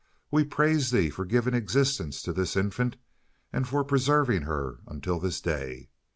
We praise Thee for giving existence to this infant and for preserving her until this day.